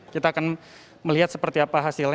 kita akan melihat seperti apa hasilnya